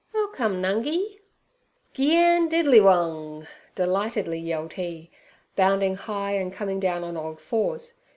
'I'll come, Nungi.' 'Giandidilliwong!' delightedly yelled he, bounding high and coming down on all fours.